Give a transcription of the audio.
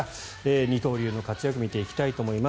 二刀流の活躍を見ていきたいと思います。